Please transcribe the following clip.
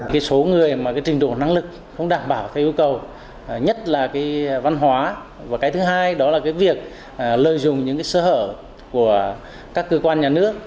cái số người mà cái trình độ năng lực không đảm bảo theo yêu cầu nhất là cái văn hóa và cái thứ hai đó là cái việc lợi dụng những cái sơ hở của các cơ quan nhà nước